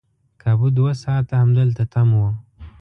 کابو دوه ساعته همدلته تم وو.